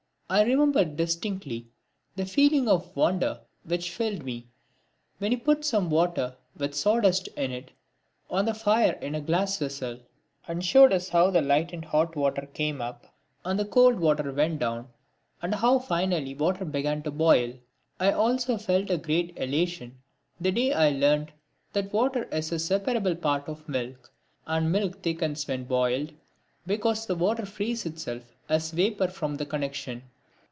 I remember distinctly the feeling of wonder which filled me when he put some water, with sawdust in it, on the fire in a glass vessel, and showed us how the lightened hot water came up, and the cold water went down and how finally the water began to boil. I also felt a great elation the day I learnt that water is a separable part of milk, and that milk thickens when boiled because the water frees itself as vapour from the connexion.